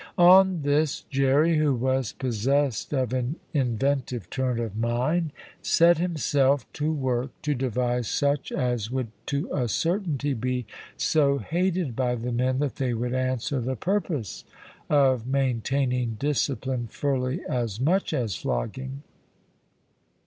On this, Jerry, who was possessed of an inventive turn of mind, set himself to work to devise such as would to a certainty be so hated by the men that they would answer the purpose of maintaining discipline fully as much as flogging.